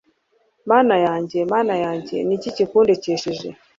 Mana yanjye, Mana yanjye ni iki kikundekesheje?"